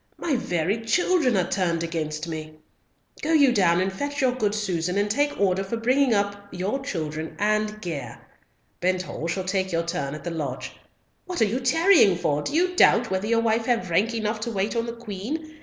My very children are turned against me. Go you down and fetch your good Susan, and take order for bringing up your children and gear. Benthall shall take your turn at the lodge. What are you tarrying for? Do you doubt whether your wife have rank enough to wait on the Queen?